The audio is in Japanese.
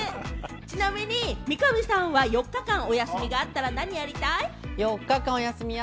ちなみに三上さんは４日間お休みがあったら何やりたい？